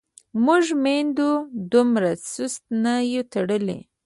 موږ میندو دومره سست نه یو تړلي.